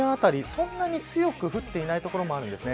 そんなに強く降っていない所もあります。